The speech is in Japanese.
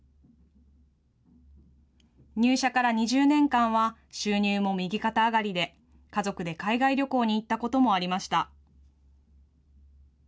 入社から２０年間は収入も右肩上がりで、家族で海外旅行に行ったこともありました。